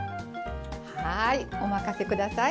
はいお任せください。